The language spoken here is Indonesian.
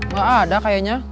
gak ada kayaknya